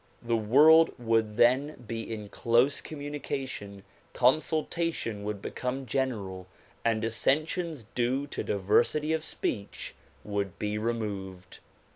The world would then be in close communication, consultation would become general and dissensions due to diversity of speech would be removed.